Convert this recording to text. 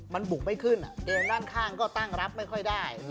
มันบุกไม่ขึ้นเกมด้านข้างก็ตั้งรับไม่ค่อยได้